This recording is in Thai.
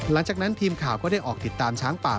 หลังจากนั้นทีมข่าวก็ได้ออกติดตามช้างป่า